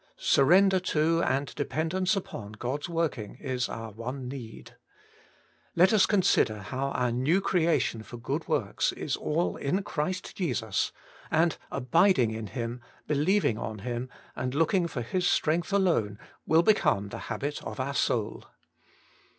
Sur render to and dependence upon God's work ing is our one need. Let us consider how our new creation for good works is all in Christ Jesus, and abiding in Him, believing on Him, and looking for His strength alone Working for God ^^ will become the habit of our soul.